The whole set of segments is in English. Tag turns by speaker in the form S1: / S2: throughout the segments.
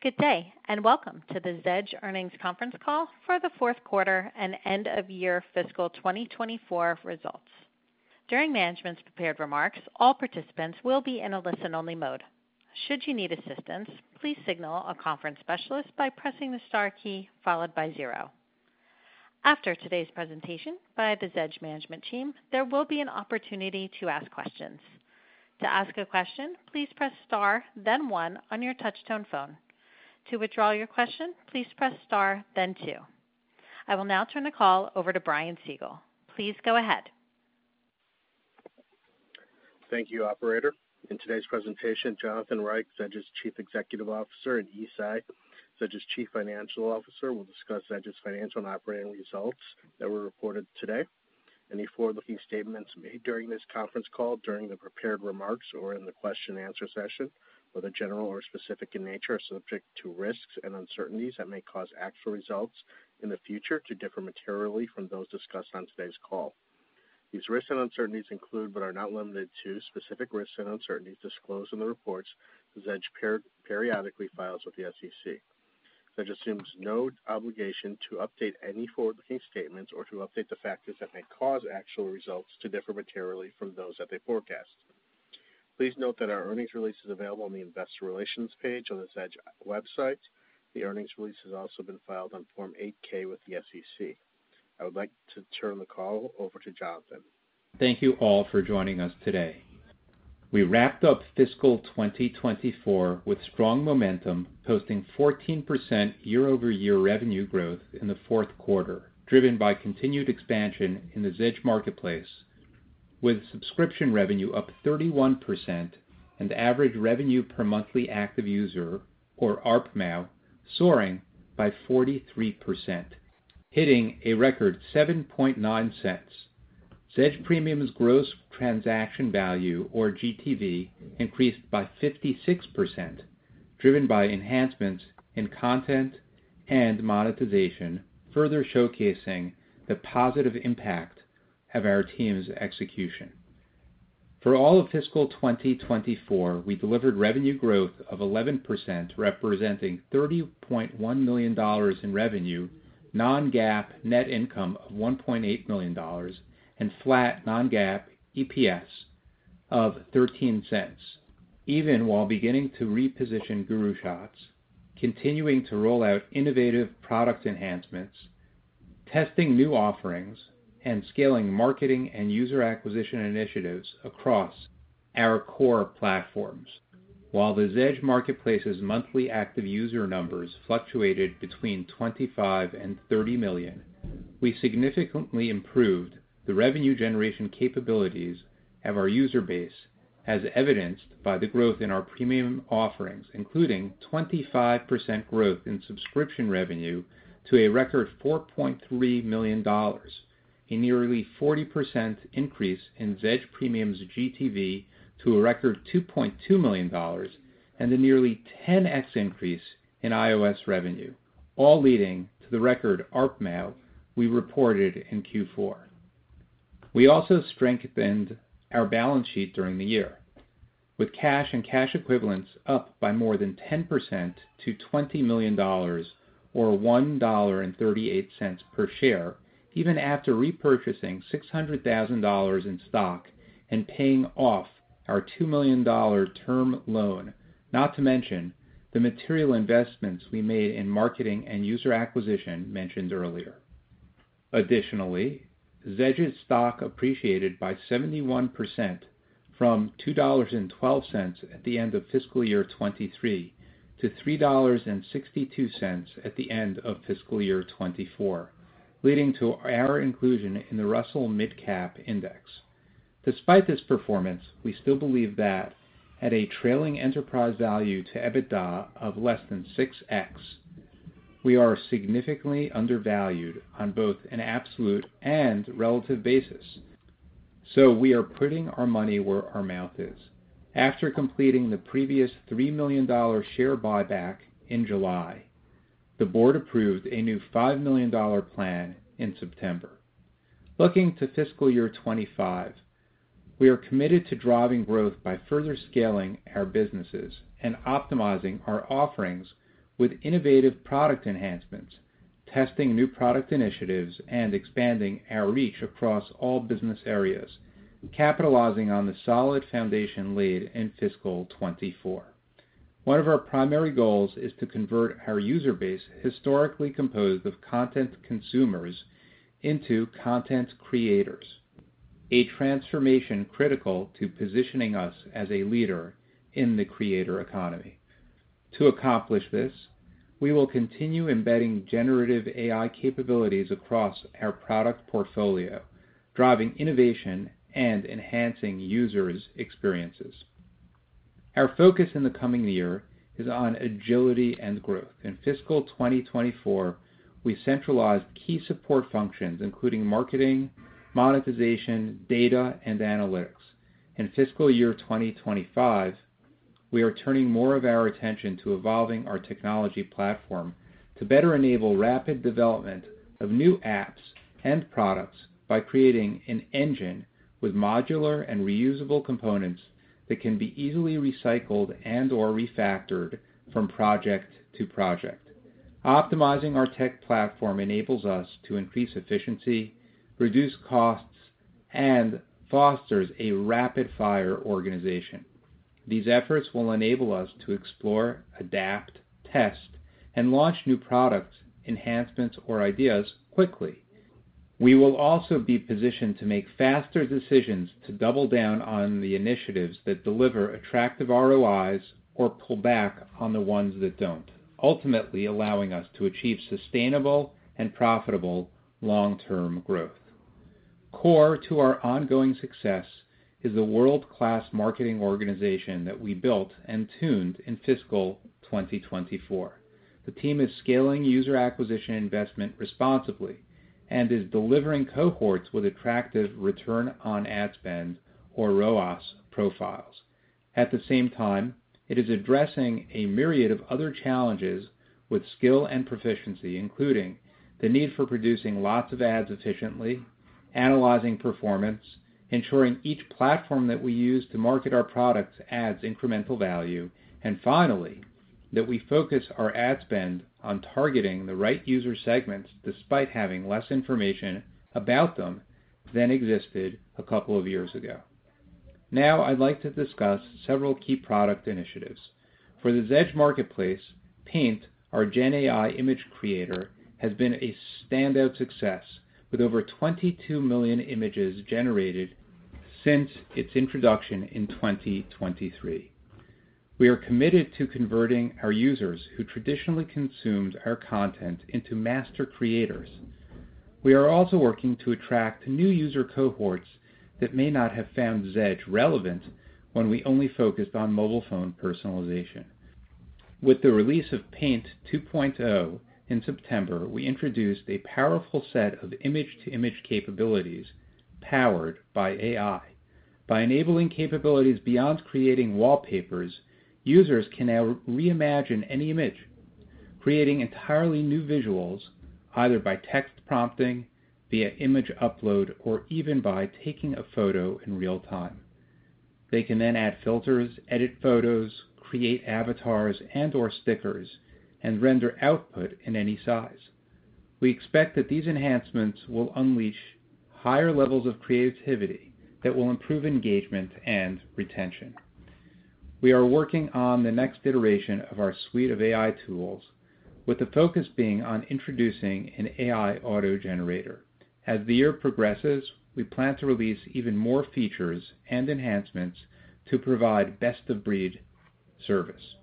S1: Good day, and welcome to the Zedge Earnings Conference call for the fourth quarter and end-of-year fiscal 2024 results. During management's prepared remarks, all participants will be in a listen-only mode. Should you need assistance, please signal a conference specialist by pressing the star key followed by zero. After today's presentation by the Zedge management team, there will be an opportunity to ask questions. To ask a question, please press star, then one on your touch-tone phone. To withdraw your question, please press star, then two. I will now turn the call over to Brian Siegel. Please go ahead.
S2: Thank you, Operator. In today's presentation, Jonathan Reich, Zedge's Chief Executive Officer; and Yi Tsai, Zedge's Chief Financial Officer, will discuss Zedge's financial and operating results that were reported today. Any forward-looking statements made during this conference call, during the prepared remarks, or in the question-and-answer session, whether general or specific in nature, are subject to risks and uncertainties that may cause actual results in the future to differ materially from those discussed on today's call. These risks and uncertainties include, but are not limited to, specific risks and uncertainties disclosed in the reports Zedge periodically files with the SEC. Zedge assumes no obligation to update any forward-looking statements or to update the factors that may cause actual results to differ materially from those that they forecast. Please note that our earnings release is available on the Investor Relations page on the Zedge website. The earnings release has also been filed on Form 8-K with the SEC. I would like to turn the call over to Jonathan.
S3: Thank you all for joining us today. We wrapped up fiscal 2024 with strong momentum, posting 14% year-over-year revenue growth in the fourth quarter, driven by continued expansion in the Zedge marketplace, with subscription revenue up 31% and average revenue per monthly active user, or ARPMAU, soaring by 43%, hitting a record $0.079. Zedge Premium's gross transaction value, or GTV, increased by 56%, driven by enhancements in content and monetization, further showcasing the positive impact of our team's execution. For all of fiscal 2024, we delivered revenue growth of 11%, representing $30.1 million in revenue, non-GAAP net income of $1.8 million, and flat non-GAAP EPS of $0.13, even while beginning to reposition GuruShots, continuing to roll out innovative product enhancements, testing new offerings, and scaling marketing and user acquisition initiatives across our core platforms. While the Zedge marketplace's monthly active user numbers fluctuated between 25 and 30 million, we significantly improved the revenue generation capabilities of our user base, as evidenced by the growth in our premium offerings, including 25% growth in subscription revenue to a record $4.3 million, a nearly 40% increase in Zedge Premium's GTV to a record $2.2 million, and a nearly 10x increase in iOS revenue, all leading to the record ARPMAU we reported in Q4. We also strengthened our balance sheet during the year, with cash and cash equivalents up by more than 10% to $20 million, or $1.38 per share, even after repurchasing $600,000 in stock and paying off our $2 million term loan, not to mention the material investments we made in marketing and user acquisition mentioned earlier. Additionally, Zedge's stock appreciated by 71% from $2.12 at the end of fiscal year 2023 to $3.62 at the end of fiscal year 2024, leading to our inclusion in the Russell Microcap Index. Despite this performance, we still believe that at a trailing enterprise value to EBITDA of less than 6X, we are significantly undervalued on both an absolute and relative basis, so we are putting our money where our mouth is. After completing the previous $3 million share buyback in July, the board approved a new $5 million plan in September. Looking to fiscal year 2025, we are committed to driving growth by further scaling our businesses and optimizing our offerings with innovative product enhancements, testing new product initiatives, and expanding our reach across all business areas, capitalizing on the solid foundation laid in fiscal 2024. One of our primary goals is to convert our user base, historically composed of content consumers, into content creators, a transformation critical to positioning us as a leader in the creator economy. To accomplish this, we will continue embedding generative AI capabilities across our product portfolio, driving innovation and enhancing users' experiences. Our focus in the coming year is on agility and growth. In fiscal 2024, we centralized key support functions, including marketing, monetization, data, and analytics. In fiscal year 2025, we are turning more of our attention to evolving our technology platform to better enable rapid development of new apps and products by creating an engine with modular and reusable components that can be easily recycled and/or refactored from project to project. Optimizing our tech platform enables us to increase efficiency, reduce costs, and foster a rapid-fire organization. These efforts will enable us to explore, adapt, test, and launch new products, enhancements, or ideas quickly. We will also be positioned to make faster decisions to double down on the initiatives that deliver attractive ROIs or pull back on the ones that don't, ultimately allowing us to achieve sustainable and profitable long-term growth. Core to our ongoing success is the world-class marketing organization that we built and tuned in fiscal 2024. The team is scaling user acquisition investment responsibly and is delivering cohorts with attractive return on ad spend, or ROAS, profiles. At the same time, it is addressing a myriad of other challenges with skill and proficiency, including the need for producing lots of ads efficiently, analyzing performance, ensuring each platform that we use to market our products adds incremental value, and finally, that we focus our ad spend on targeting the right user segments despite having less information about them than existed a couple of years ago. Now, I'd like to discuss several key product initiatives. For the Zedge Marketplace, pAInt, our GenAI image creator, has been a standout success with over 22 million images generated since its introduction in 2023. We are committed to converting our users who traditionally consumed our content into master creators. We are also working to attract new user cohorts that may not have found Zedge relevant when we only focused on mobile phone personalization. With the release of pAInt 2.0 in September, we introduced a powerful set of image-to-image capabilities powered by AI. By enabling capabilities beyond creating wallpapers, users can now reimagine any image, creating entirely new visuals, either by text prompting, via image upload, or even by taking a photo in real time. They can then add filters, edit photos, create avatars and/or stickers, and render output in any size. We expect that these enhancements will unleash higher levels of creativity that will improve engagement and retention. We are working on the next iteration of our suite of AI tools, with the focus being on introducing an AI auto generator. As the year progresses, we plan to release even more features and enhancements to provide best-of-breed service.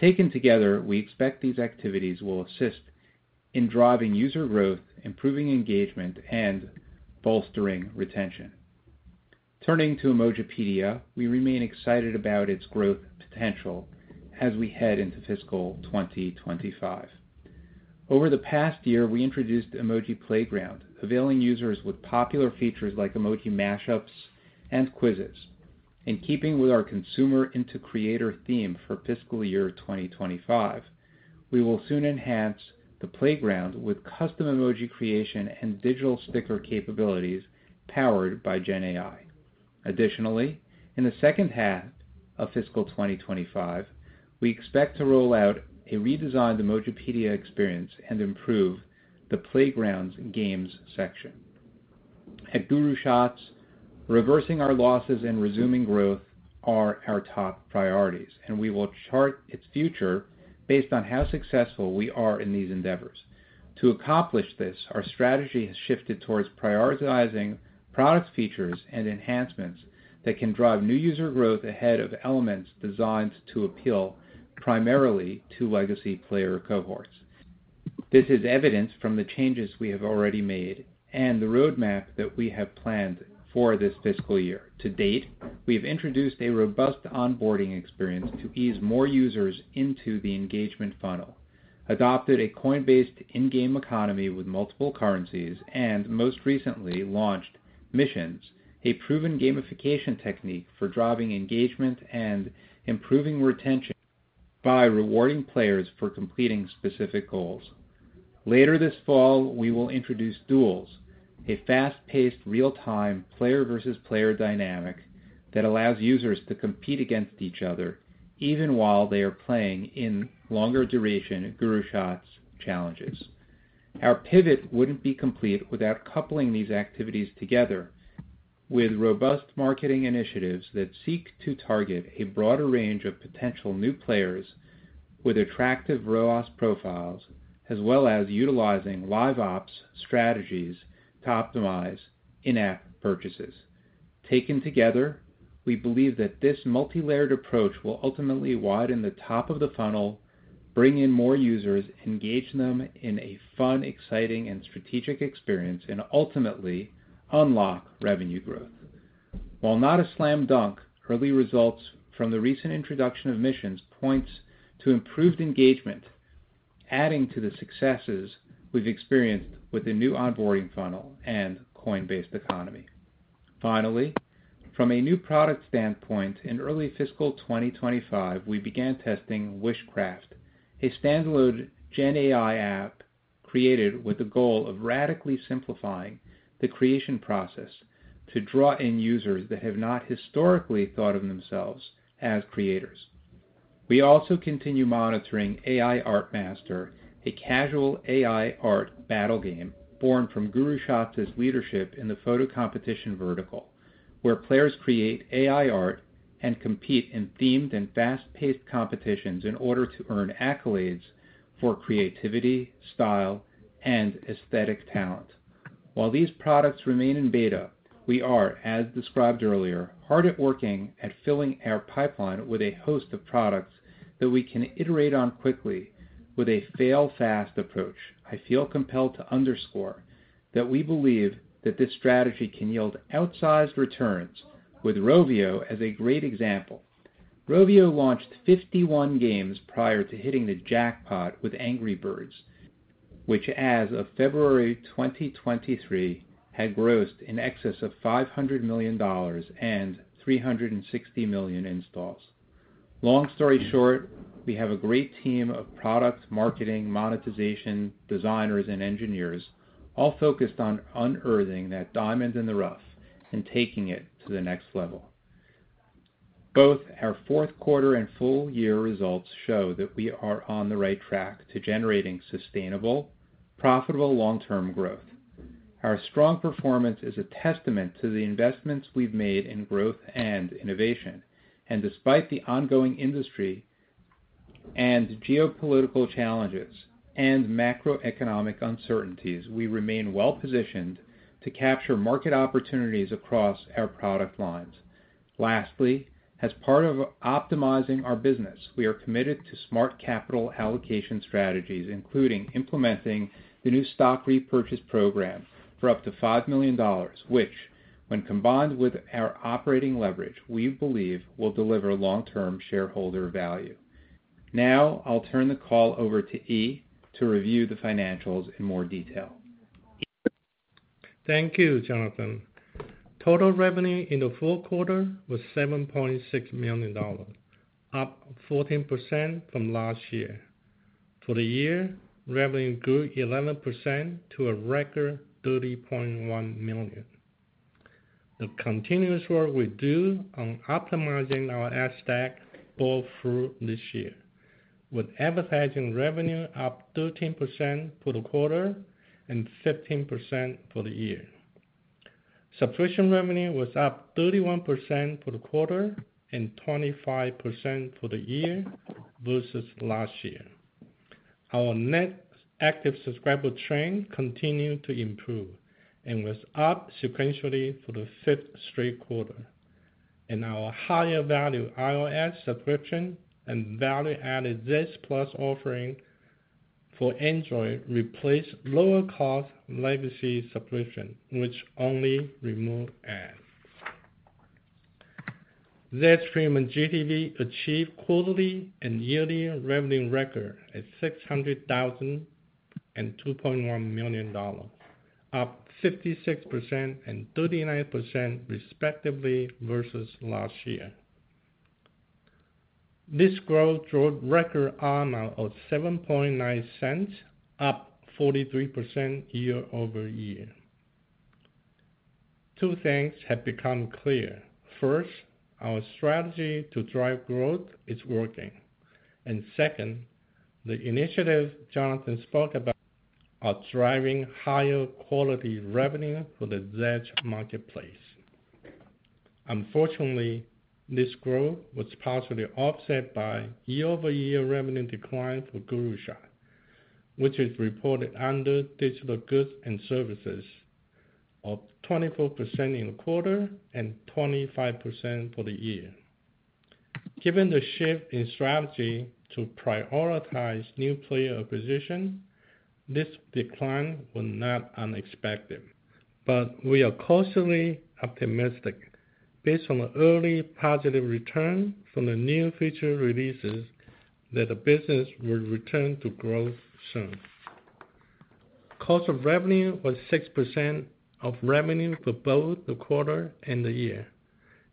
S3: Taken together, we expect these activities will assist in driving user growth, improving engagement, and bolstering retention. Turning to Emojipedia, we remain excited about its growth potential as we head into fiscal 2025. Over the past year, we introduced Emoji Playground, availing users with popular features like emoji mashups and quizzes. In keeping with our consumer into creator theme for fiscal year 2025, we will soon enhance the playground with custom emoji creation and digital sticker capabilities powered by GenAI. Additionally, in the second half of fiscal 2025, we expect to roll out a redesigned Emojipedia experience and improve the playground's games section. At GuruShots, reversing our losses and resuming growth are our top priorities, and we will chart its future based on how successful we are in these endeavors. To accomplish this, our strategy has shifted towards prioritizing product features and enhancements that can drive new user growth ahead of elements designed to appeal primarily to legacy player cohorts. This is evidenced from the changes we have already made and the roadmap that we have planned for this fiscal year. To date, we have introduced a robust onboarding experience to ease more users into the engagement funnel, adopted a coin-based in-game economy with multiple currencies, and most recently launched missions, a proven gamification technique for driving engagement and improving retention by rewarding players for completing specific goals. Later this fall, we will introduce duels, a fast-paced, real-time player-versus-player dynamic that allows users to compete against each other even while they are playing in longer-duration GuruShots challenges. Our pivot wouldn't be complete without coupling these activities together with robust marketing initiatives that seek to target a broader range of potential new players with attractive ROAS profiles, as well as utilizing LiveOps strategies to optimize in-app purchases. Taken together, we believe that this multi-layered approach will ultimately widen the top of the funnel, bring in more users, engage them in a fun, exciting, and strategic experience, and ultimately unlock revenue growth. While not a slam dunk, early results from the recent introduction of missions point to improved engagement, adding to the successes we've experienced with the new onboarding funnel and coin-based economy. Finally, from a new product standpoint, in early fiscal 2025, we began testing Wishcraft, a standalone GenAI app created with the goal of radically simplifying the creation process to draw in users that have not historically thought of themselves as creators. We also continue monitoring AI Art Master, a casual AI art battle game born from GuruShots' leadership in the photo competition vertical, where players create AI art and compete in themed and fast-paced competitions in order to earn accolades for creativity, style, and aesthetic talent. While these products remain in beta, we are, as described earlier, hard at work at filling our pipeline with a host of products that we can iterate on quickly with a fail-fast approach. I feel compelled to underscore that we believe that this strategy can yield outsized returns, with Rovio as a great example. Rovio launched 51 games prior to hitting the jackpot with Angry Birds, which, as of February 2023, had grossed in excess of $500 million and 360 million installs. Long story short, we have a great team of product marketing, monetization, designers, and engineers all focused on unearthing that diamond in the rough and taking it to the next level. Both our fourth quarter and full year results show that we are on the right track to generating sustainable, profitable long-term growth. Our strong performance is a testament to the investments we've made in growth and innovation, and despite the ongoing industry and geopolitical challenges and macroeconomic uncertainties, we remain well-positioned to capture market opportunities across our product lines. Lastly, as part of optimizing our business, we are committed to smart capital allocation strategies, including implementing the new stock repurchase program for up to $5 million, which, when combined with our operating leverage, we believe will deliver long-term shareholder value. Now, I'll turn the call over to Yi to review the financials in more detail. Thank you, Jonathan.
S4: Total revenue in the fourth quarter was $7.6 million, up 14% from last year. For the year, revenue grew 11% to a record $30.1 million. The continuous work we do on optimizing our ad stack all through this year, with advertising revenue up 13% for the quarter and 15% for the year. Subscription revenue was up 31% for the quarter and 25% for the year versus last year. Our net active subscriber trend continued to improve and was up sequentially for the fifth straight quarter. In our higher-value iOS subscription and value-added Zedge Plus offering for Android replaced lower-cost legacy subscription, which only removed ads. Zedge Premium GTV achieved quarterly and yearly revenue records at $600,000 and $2.1 million, up 56% and 39% respectively versus last year. This growth drove record ARPMAU of $0.079, up 43% year-over-year. Two things have become clear. First, our strategy to drive growth is working. And second, the initiatives Jonathan spoke about are driving higher quality revenue for the Zedge Marketplace. Unfortunately, this growth was partially offset by year-over-year revenue decline for GuruShots, which is reported under digital goods and services of 24% in the quarter and 25% for the year. Given the shift in strategy to prioritize new player acquisition, this decline was not unexpected, but we are cautiously optimistic based on the early positive return from the new feature releases that the business will return to growth soon. Cost of revenue was 6% of revenue for both the quarter and the year,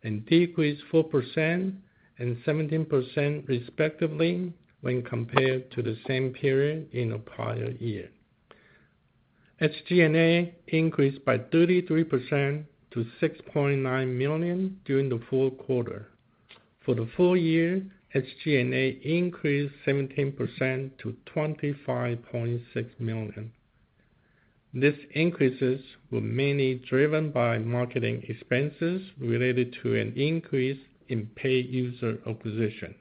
S4: and decreased 4% and 17% respectively when compared to the same period in a prior year. SG&A increased by 33% to $6.9 million during the fourth quarter. For the full year, SG&A increased 17% to $25.6 million. These increases were mainly driven by marketing expenses related to an increase in paid user acquisition,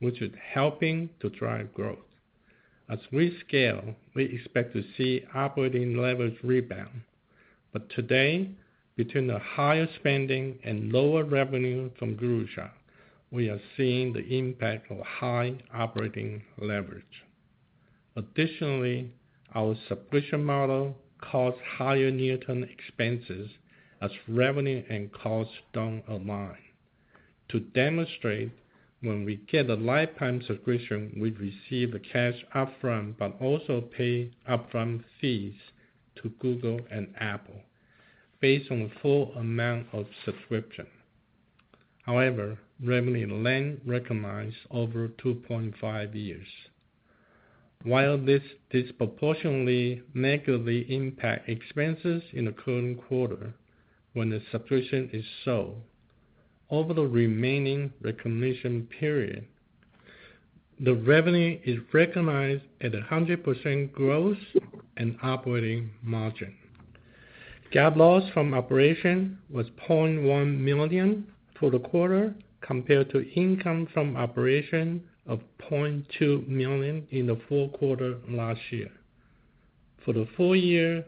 S4: which is helping to drive growth. As we scale, we expect to see operating leverage rebound, but today, between the higher spending and lower revenue from GuruShots, we are seeing the impact of high operating leverage. Additionally, our subscription model caused higher near-term expenses as revenue and cost don't align. To demonstrate, when we get a lifetime subscription, we receive a cash upfront but also pay upfront fees to Google and Apple based on the full amount of subscription. However, revenue is recognized over 2.5 years. While this disproportionately negatively impacts expenses in the current quarter when the subscription is sold, over the remaining recognition period, the revenue is recognized at 100% gross and operating margin. GAAP loss from operations was $0.1 million for the quarter compared to income from operations of $0.2 million in the fourth quarter last year. For the full year,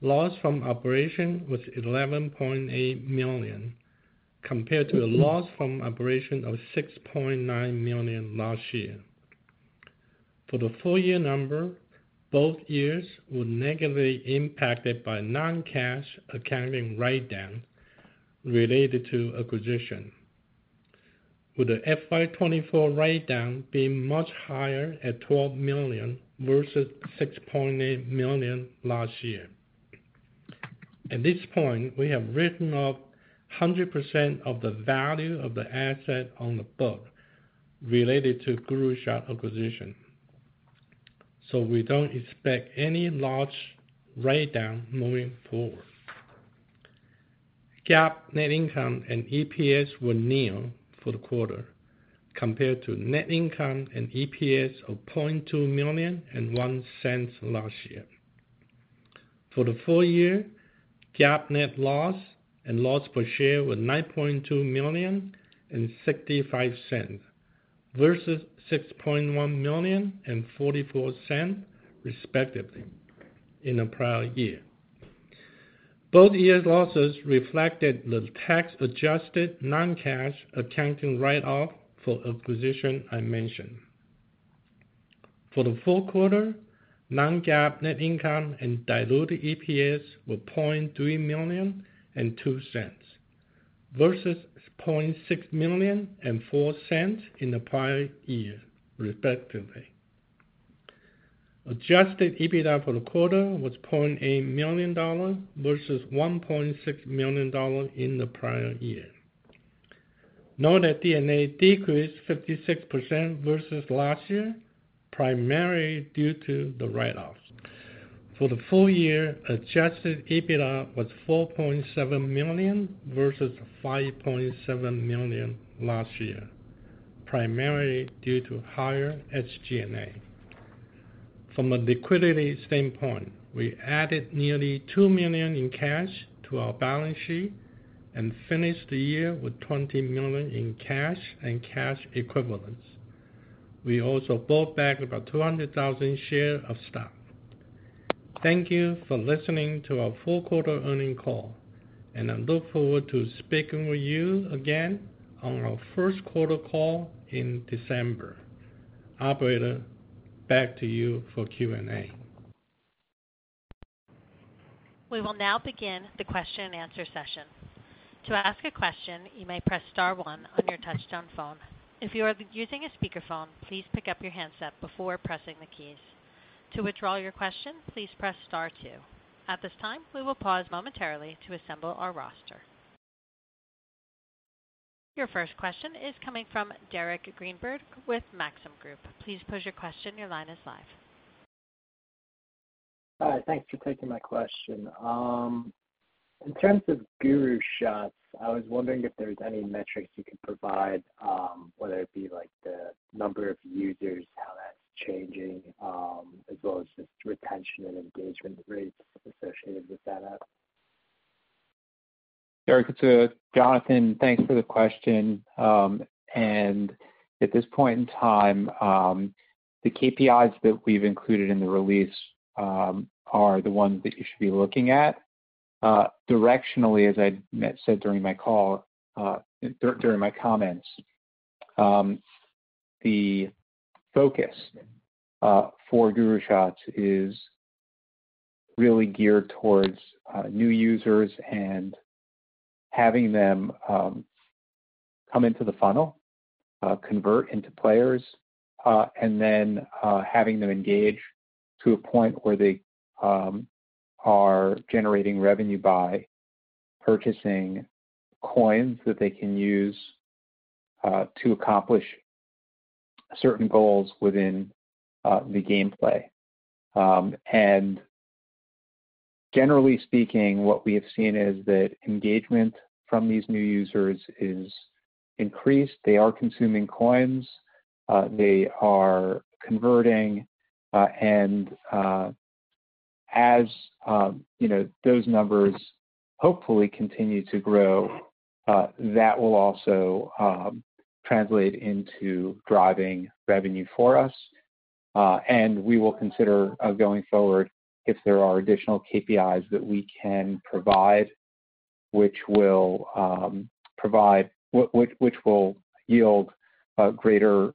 S4: loss from operations was $11.8 million compared to a loss from operations of $6.9 million last year. For the full year number, both years were negatively impacted by non-cash accounting write-down related to acquisition, with the FY 2024 write-down being much higher at $12 million versus $6.8 million last year. At this point, we have written off 100% of the value of the asset on the books related to GuruShots acquisition, so we don't expect any large write-down moving forward. GAAP net income and EPS were negative for the quarter compared to net income and EPS of $0.2 million and $0.01 last year. For the full year, GAAP net loss and loss per share were $9.2 million and $0.65 versus $6.1 million and $0.44 respectively in a prior year. Both years' losses reflected the tax-adjusted non-cash accounting write-off for acquisition I mentioned. For the full quarter, non-GAAP net income and diluted EPS were $0.3 million and $0.02 versus $0.6 million and $0.04 in a prior year respectively. Adjusted EBITDA for the quarter was $0.8 million versus $1.6 million in the prior year. DAU decreased 56% versus last year, primarily due to the write-offs. For the full year, adjusted EBITDA was $4.7 million versus $5.7 million last year, primarily due to higher SG&A. From a liquidity standpoint, we added nearly $2 million in cash to our balance sheet and finished the year with $20 million in cash and cash equivalents. We also bought back about 200,000 shares of stock. Thank you for listening to our full quarter earnings call, and I look forward to speaking with you again on our first quarter call in December. Operator, back to you for Q&A.
S1: We will now begin the question and answer session. To ask a question, you may press star one on your touch-tone phone. If you are using a speakerphone, please pick up your handset before pressing the keys. To withdraw your question, please press star two. At this time, we will pause momentarily to assemble our roster. Your first question is coming from Derek Greenberg with Maxim Group. Please pose your question. Your line is live.
S5: Hi. Thanks for taking my question. In terms of GuruShots, I was wondering if there's any metrics you could provide, whether it be the number of users, how that's changing, as well as just retention and engagement rates associated with that app.
S3: Derek, it's Jonathan. Thanks for the question, and at this point in time, the KPIs that we've included in the release are the ones that you should be looking at. Directionally, as I said during my call, during my comments, the focus for GuruShots is really geared towards new users and having them come into the funnel, convert into players, and then having them engage to a point where they are generating revenue by purchasing coins that they can use to accomplish certain goals within the gameplay. And generally speaking, what we have seen is that engagement from these new users is increased. They are consuming coins. They are converting, and as those numbers hopefully continue to grow, that will also translate into driving revenue for us. We will consider going forward if there are additional KPIs that we can provide, which will yield greater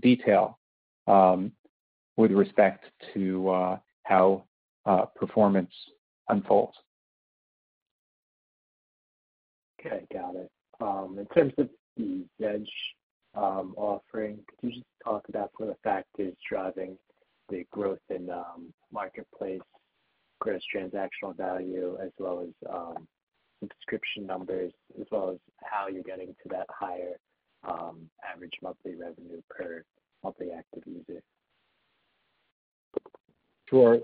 S3: detail with respect to how performance unfolds. Okay. Got it. In terms of the Zedge offering, could you just talk about what effect it is driving the growth in marketplace gross transactional value as well as subscription numbers, as well as how you're getting to that higher average monthly revenue per monthly active user? Sure.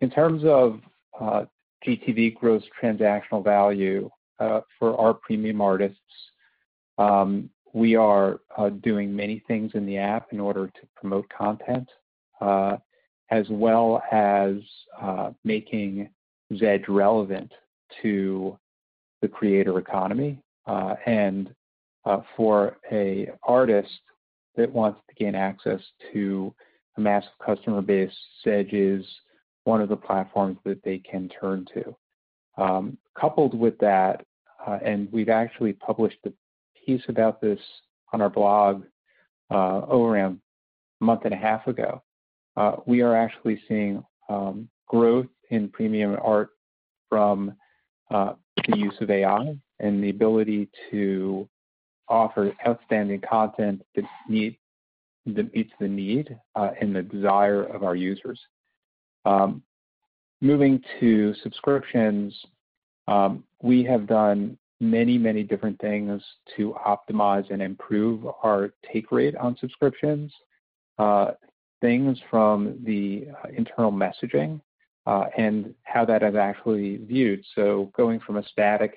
S3: In terms of GTV gross transactional value for our premium artists, we are doing many things in the app in order to promote content as well as making Zedge relevant to the creator economy. For an artist that wants to gain access to a massive customer base, Zedge is one of the platforms that they can turn to. Coupled with that, and we've actually published a piece about this on our blog over a month and a half ago, we are actually seeing growth in premium art from the use of AI and the ability to offer outstanding content that meets the need and the desire of our users. Moving to subscriptions, we have done many, many different things to optimize and improve our take rate on subscriptions, things from the internal messaging and how that is actually viewed, so going from a static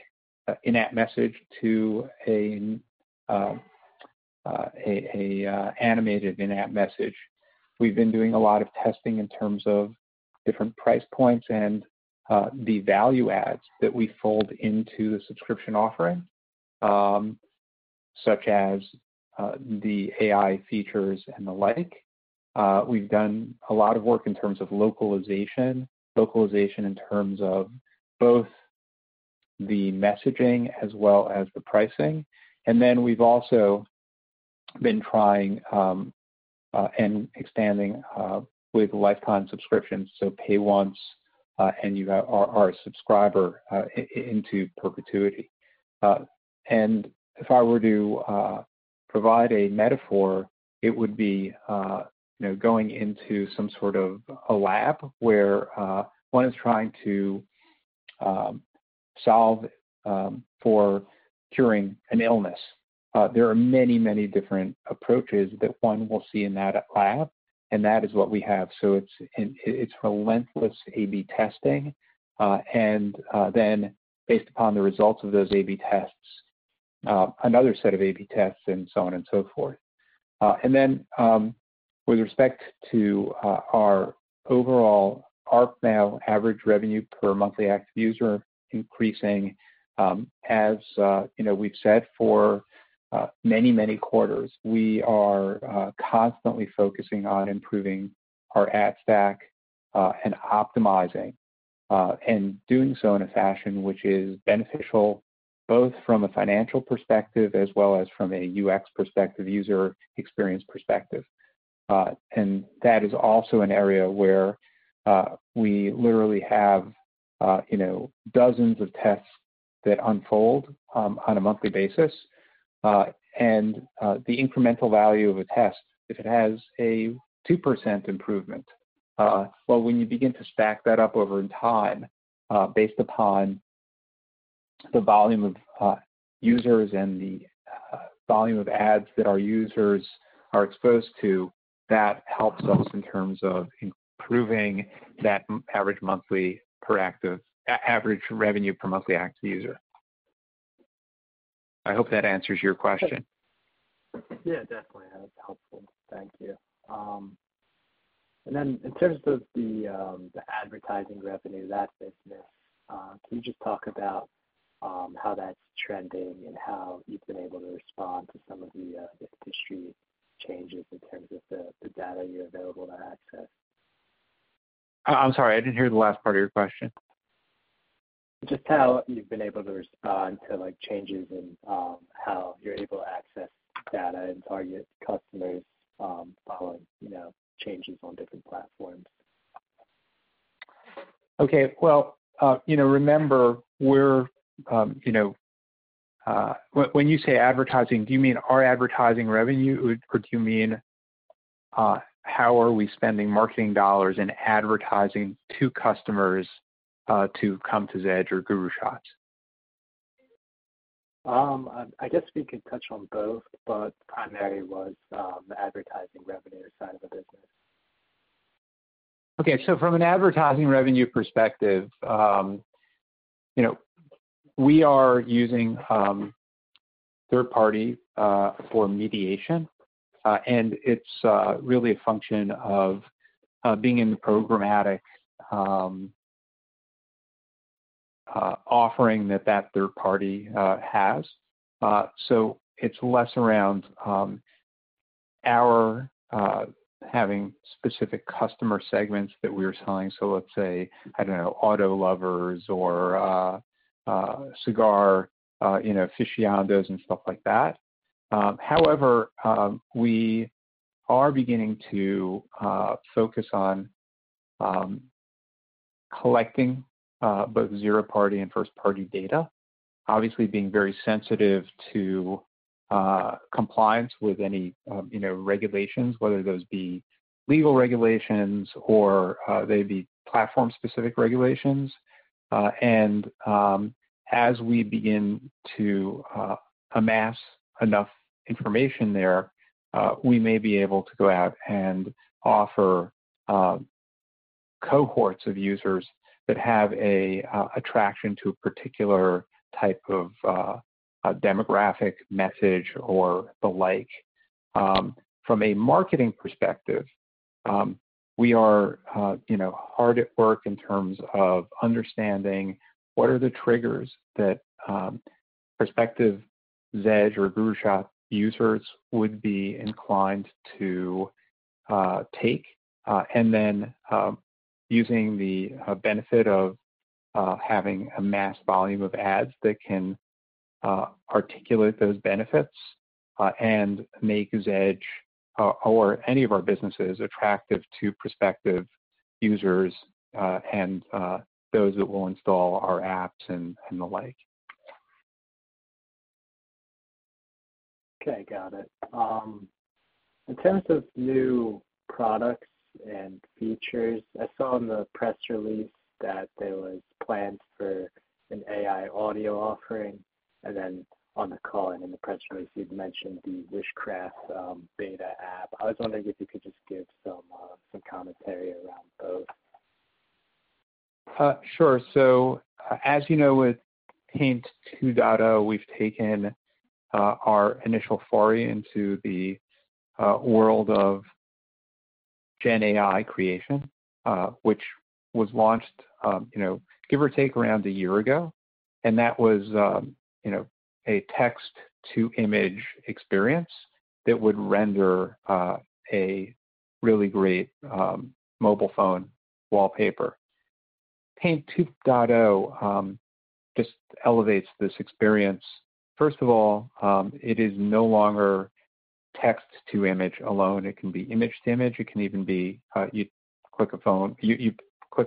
S3: in-app message to an animated in-app message, we've been doing a lot of testing in terms of different price points and the value adds that we fold into the subscription offering, such as the AI features and the like. We've done a lot of work in terms of localization, localization in terms of both the messaging as well as the pricing. And then we've also been trying and expanding with lifetime subscriptions, so pay once and you are a subscriber into perpetuity. And if I were to provide a metaphor, it would be going into some sort of a lab where one is trying to solve for curing an illness. There are many, many different approaches that one will see in that lab, and that is what we have. So it's relentless A/B testing. And then based upon the results of those A/B tests, another set of A/B tests, and so on and so forth. And then with respect to our overall ARPMAU, average revenue per monthly active user increasing. As we've said for many, many quarters, we are constantly focusing on improving our ad stack and optimizing and doing so in a fashion which is beneficial both from a financial perspective as well as from a UX perspective, user experience perspective. And that is also an area where we literally have dozens of tests that unfold on a monthly basis. And the incremental value of a test, if it has a 2% improvement, well, when you begin to stack that up over time based upon the volume of users and the volume of ads that our users are exposed to, that helps us in terms of improving that average monthly per active average revenue per monthly active user. I hope that answers your question.
S5: Yeah. Definitely. That's helpful. Thank you. And then in terms of the advertising revenue of that business, can you just talk about how that's trending and how you've been able to respond to some of the industry changes in terms of the data you're available to access?
S3: I'm sorry. I didn't hear the last part of your question.
S5: Just how you've been able to respond to changes and how you're able to access data and target customers following changes on different platforms.
S3: Okay. Well, remember, when you say advertising, do you mean our advertising revenue, or do you mean how are we spending marketing dollars and advertising to customers to come to Zedge or GuruShots? I guess we could touch on both, but primarily was the advertising revenue side of the business. Okay. So from an advertising revenue perspective, we are using third-party for mediation, and it's really a function of being in the programmatic offering that that third-party has. So let's say, I don't know, auto lovers or cigar aficionados and stuff like that. However, we are beginning to focus on collecting both zero-party and first-party data, obviously being very sensitive to compliance with any regulations, whether those be legal regulations or they be platform-specific regulations. And as we begin to amass enough information there, we may be able to go out and offer cohorts of users that have a traction to a particular type of demographic message or the like. From a marketing perspective, we are hard at work in terms of understanding what are the triggers that prospective Zedge or GuruShots users would be inclined to take. And then using the benefit of having a mass volume of ads that can articulate those benefits and make Zedge or any of our businesses attractive to prospective users and those that will install our apps and the like.
S5: Okay. Got it. In terms of new products and features, I saw in the press release that there was plans for an AI audio offering. And then on the call and in the press release, you'd mentioned the Wishcraft beta app. I was wondering if you could just give some commentary around both.
S3: Sure. So as you know, with pAInt 2.0, we've taken our initial foray into the world of Gen AI creation, which was launched give or take around a year ago. That was a text-to-image experience that would render a really great mobile phone wallpaper. The pAInt 2.0 just elevates this experience. First of all, it is no longer text-to-image alone. It can be image-to-image. It can even be you click a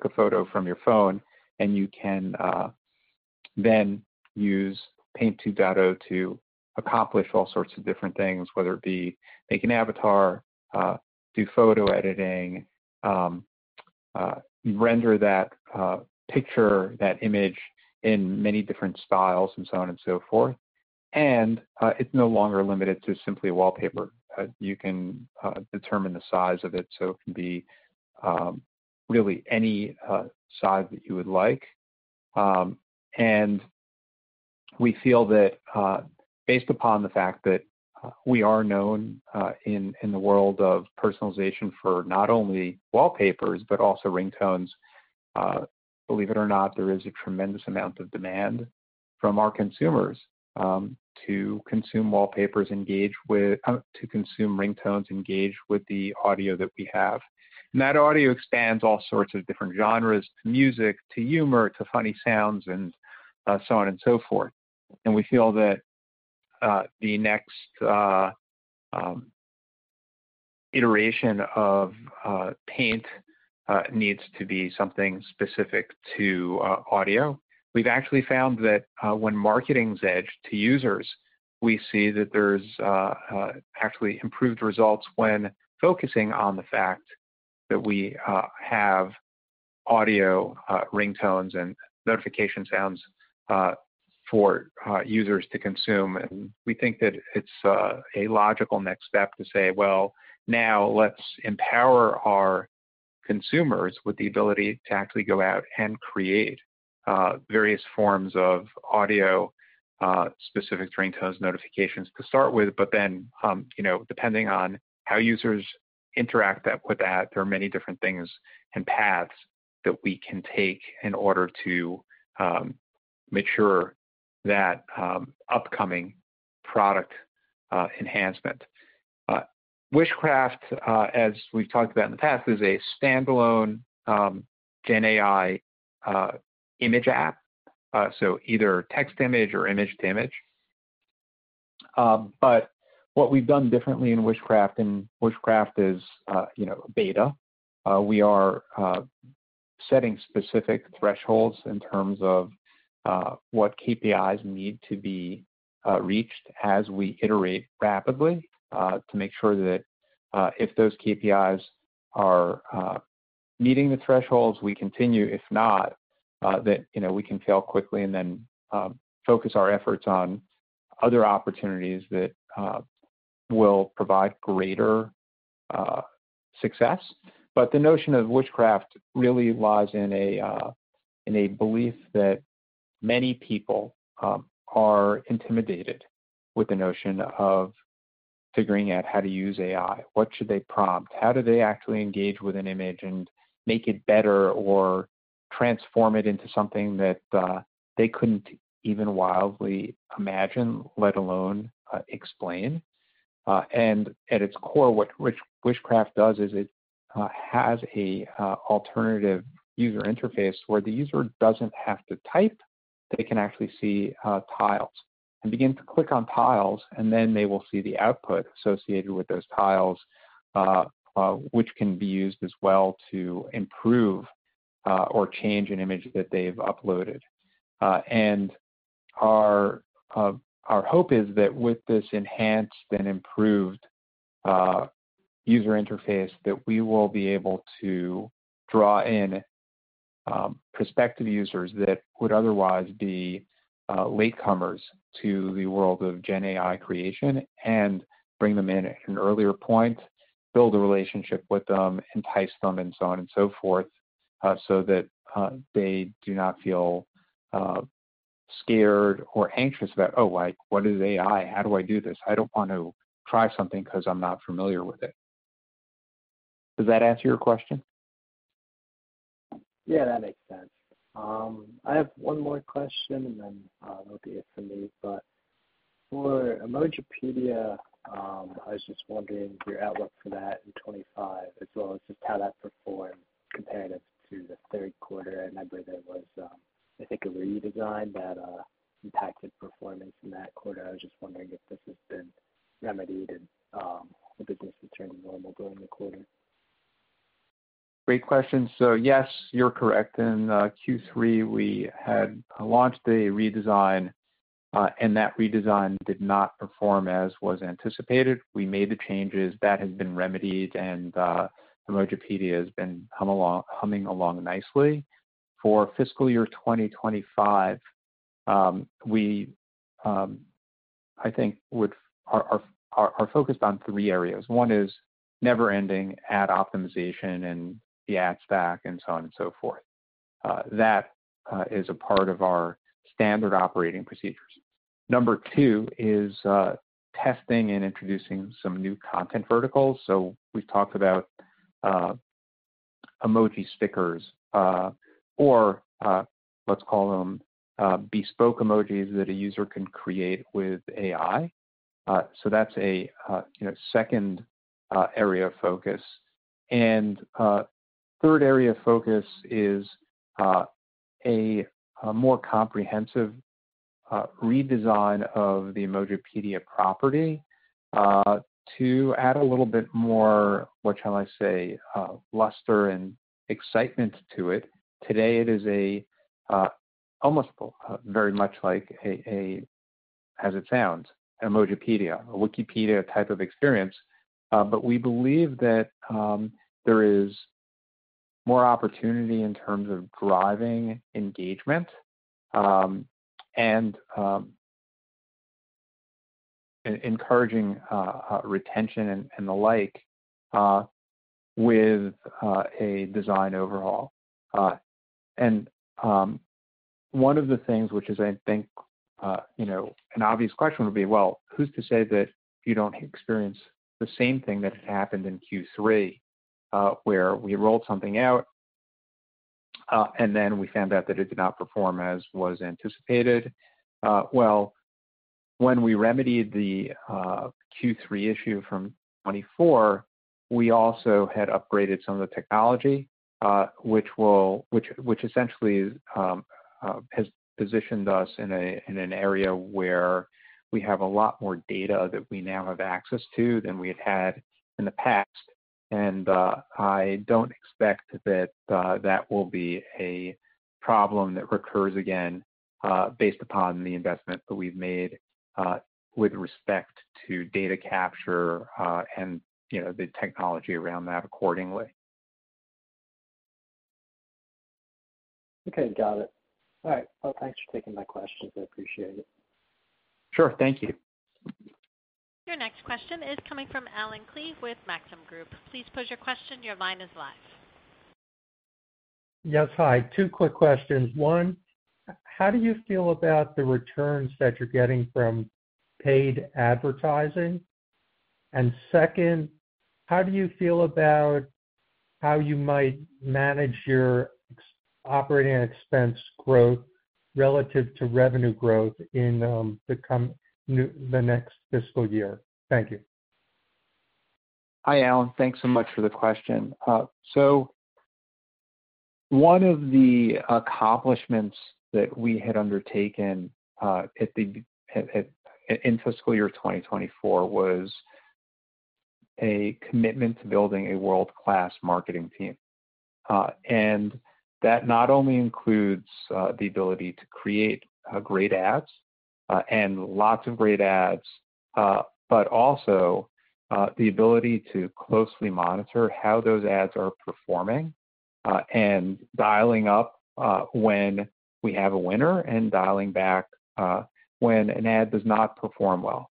S3: photo from your phone, and you can then use pAInt 2.0 to accomplish all sorts of different things, whether it be making avatar, do photo editing, render that picture, that image in many different styles, and so on and so forth. It's no longer limited to simply a wallpaper. You can determine the size of it. It can be really any size that you would like. We feel that based upon the fact that we are known in the world of personalization for not only wallpapers but also ringtones, believe it or not, there is a tremendous amount of demand from our consumers to consume wallpapers, engage with to consume ringtones, engage with the audio that we have. That audio expands all sorts of different genres to music, to humor, to funny sounds, and so on and so forth. We feel that the next iteration of pAInt needs to be something specific to audio. We've actually found that when marketing Zedge to users, we see that there's actually improved results when focusing on the fact that we have audio ringtones and notification sounds for users to consume. We think that it's a logical next step to say, "Well, now let's empower our consumers with the ability to actually go out and create various forms of audio-specific ringtones, notifications to start with." But then depending on how users interact with that, there are many different things and paths that we can take in order to mature that upcoming product enhancement. Wishcraft, as we've talked about in the past, is a standalone GenAI image app, so either text-to-image or image-to-image. But what we've done differently in Wishcraft, and Wishcraft is beta, we are setting specific thresholds in terms of what KPIs need to be reached as we iterate rapidly to make sure that if those KPIs are meeting the thresholds, we continue. If not, that we can fail quickly and then focus our efforts on other opportunities that will provide greater success. But the notion of Wishcraft really lies in a belief that many people are intimidated with the notion of figuring out how to use AI. What should they prompt? How do they actually engage with an image and make it better or transform it into something that they couldn't even wildly imagine, let alone explain? And at its core, what Wishcraft does is it has an alternative user interface where the user doesn't have to type. They can actually see tiles and begin to click on tiles, and then they will see the output associated with those tiles, which can be used as well to improve or change an image that they've uploaded. Our hope is that with this enhanced and improved user interface, that we will be able to draw in prospective users that would otherwise be latecomers to the world of GenAI creation and bring them in at an earlier point, build a relationship with them, entice them, and so on and so forth so that they do not feel scared or anxious about, "Oh, what is AI? How do I do this? I don't want to try something because I'm not familiar with it." Does that answer your question?
S5: Yeah. That makes sense. I have one more question, and then that'll be it for me. But for Emojipedia, I was just wondering your outlook for that in 2025, as well as just how that performed compared to the third quarter. I remember there was, I think, a redesign that impacted performance in that quarter. I was just wondering if this has been remedied and the business has turned normal during the quarter.
S3: Great question. So yes, you're correct. In Q3, we had launched a redesign, and that redesign did not perform as was anticipated. We made the changes. That has been remedied, and Emojipedia has been humming along nicely. For fiscal year 2025, we, I think, are focused on three areas. One is never-ending ad optimization and the ad stack and so on and so forth. That is a part of our standard operating procedures. Number two is testing and introducing some new content verticals. So we've talked about emoji stickers or let's call them bespoke emojis that a user can create with AI. So that's a second area of focus. Third area of focus is a more comprehensive redesign of the Emojipedia property to add a little bit more, what shall I say, luster and excitement to it. Today, it is almost very much like, as it sounds, an Emojipedia, a Wikipedia type of experience. But we believe that there is more opportunity in terms of driving engagement and encouraging retention and the like with a design overhaul. One of the things which is, I think, an obvious question would be, "Well, who's to say that you don't experience the same thing that had happened in Q3 where we rolled something out and then we found out that it did not perform as was anticipated?" Well, when we remedied the Q3 issue from 2024, we also had upgraded some of the technology, which essentially has positioned us in an area where we have a lot more data that we now have access to than we had had in the past. And I don't expect that that will be a problem that recurs again based upon the investment that we've made with respect to data capture and the technology around that accordingly.
S5: Okay. Got it. All right. Well, thanks for taking my questions. I appreciate it.
S3: Sure. Thank you.
S1: Your next question is coming from Allen Klee with Maxim Group. Please pose your question. Your line is live.
S6: Yes. Hi. Two quick questions. One, how do you feel about the returns that you're getting from paid advertising? And second, how do you feel about how you might manage your operating expense growth relative to revenue growth in the next fiscal year? Thank you.
S3: Hi, Alan. Thanks so much for the question. So one of the accomplishments that we had undertaken in fiscal year 2024 was a commitment to building a world-class marketing team. And that not only includes the ability to create great ads and lots of great ads, but also the ability to closely monitor how those ads are performing and dialing up when we have a winner and dialing back when an ad does not perform well.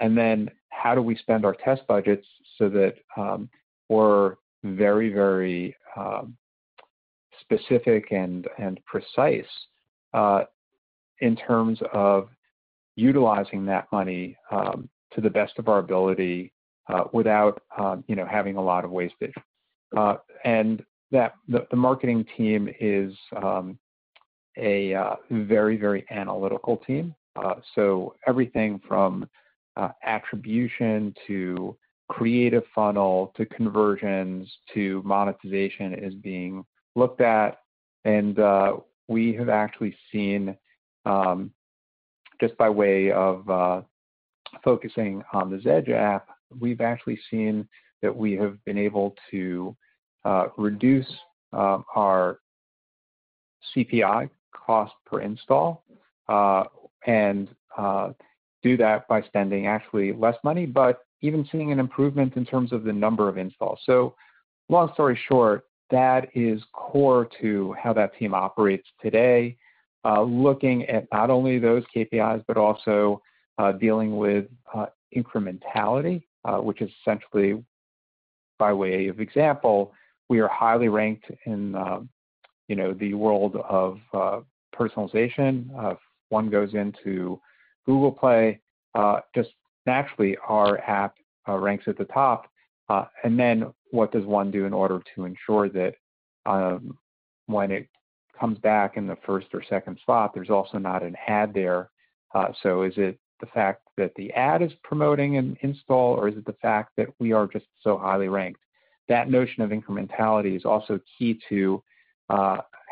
S3: And then how do we spend our test budgets so that we're very, very specific and precise in terms of utilizing that money to the best of our ability without having a lot of wastage? And the marketing team is a very, very analytical team. So everything from attribution to creative funnel to conversions to monetization is being looked at. And we have actually seen, just by way of focusing on the Zedge app, we've actually seen that we have been able to reduce our CPI cost per install and do that by spending actually less money, but even seeing an improvement in terms of the number of installs. So long story short, that is core to how that team operates today, looking at not only those KPIs but also dealing with incrementality, which is essentially, by way of example, we are highly ranked in the world of personalization. If one goes into Google Play, just naturally, our app ranks at the top. And then what does one do in order to ensure that when it comes back in the first or second spot, there's also not an ad there? So is it the fact that the ad is promoting an install, or is it the fact that we are just so highly ranked? That notion of incrementality is also key to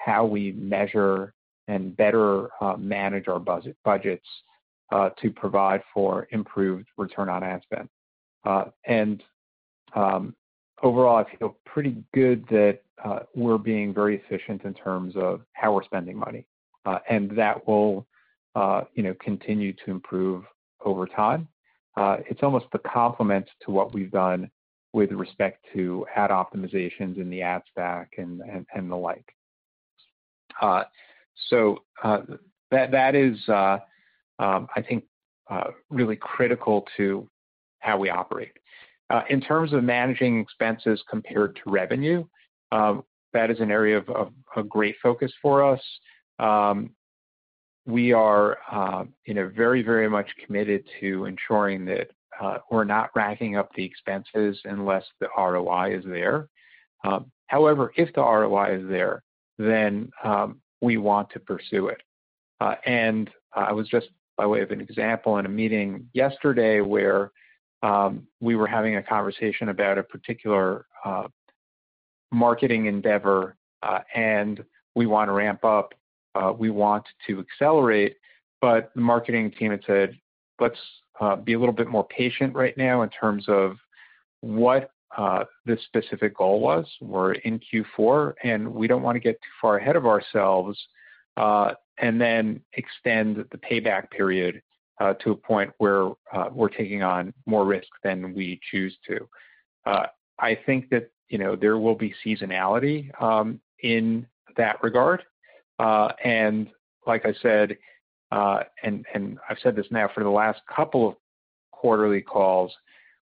S3: how we measure and better manage our budgets to provide for improved return on ad spend. And overall, I feel pretty good that we're being very efficient in terms of how we're spending money. And that will continue to improve over time. It's almost the complement to what we've done with respect to ad optimizations and the ad stack and the like. So that is, I think, really critical to how we operate. In terms of managing expenses compared to revenue, that is an area of great focus for us. We are very, very much committed to ensuring that we're not racking up the expenses unless the ROI is there. However, if the ROI is there, then we want to pursue it, and I was just, by way of an example, in a meeting yesterday where we were having a conversation about a particular marketing endeavor, and we want to ramp up. We want to accelerate, but the marketing team had said, "Let's be a little bit more patient right now in terms of what the specific goal was. We're in Q4, and we don't want to get too far ahead of ourselves and then extend the payback period to a point where we're taking on more risk than we choose to." I think that there will be seasonality in that regard. Like I said, and I've said this now for the last couple of quarterly calls,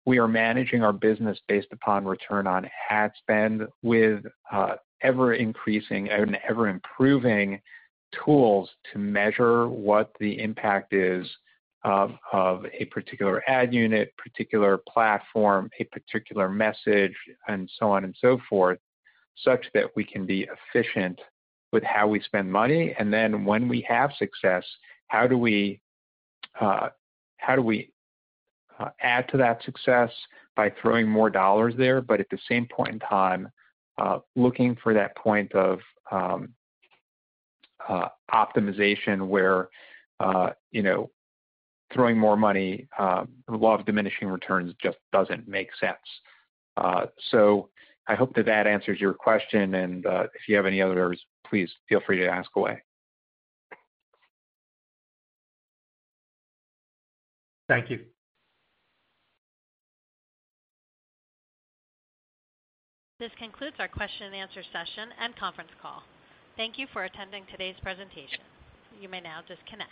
S3: we are managing our business based upon return on ad spend with ever-increasing and ever-improving tools to measure what the impact is of a particular ad unit, particular platform, a particular message, and so on and so forth, such that we can be efficient with how we spend money. And then when we have success, how do we add to that success by throwing more dollars there? But at the same point in time, looking for that point of optimization where throwing more money, a lot of diminishing returns just doesn't make sense. So I hope that that answers your question. And if you have any others, please feel free to ask away.
S6: Thank you.
S1: This concludes our question-and-answer session and conference call. Thank you for attending today's presentation. You may now disconnect.